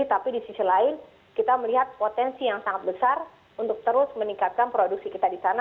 tapi di sisi lain kita melihat potensi yang sangat besar untuk terus meningkatkan produksi kita di sana